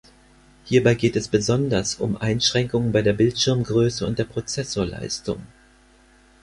Hierbei geht es besonders um Einschränkungen bei der Bildschirmgröße und der Prozessorleistung.